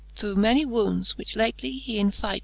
Through many wounds, which lately he in fight.